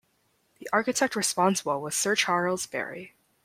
The architect responsible was Sir Charles Barry.